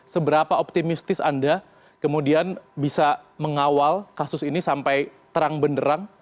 seberapa optimistis anda kemudian bisa mengawal kasus ini sampai terang benderang